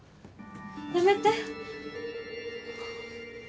やめて